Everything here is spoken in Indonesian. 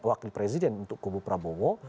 wakil presiden untuk kubu prabowo